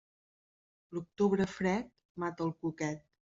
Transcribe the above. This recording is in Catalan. L'octubre fred mata el cuquet.